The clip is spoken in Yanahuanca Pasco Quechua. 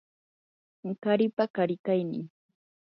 qaripa qarikaynin